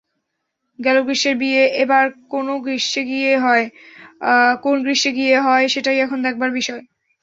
গেল গ্রীষ্মের বিয়ে এবার কোন গ্রীষ্মে গিয়ে হয়, সেটাই এখন দেখার বিষয়।